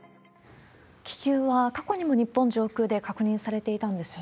気球は、過去にも日本上空で確認されていたんですよね。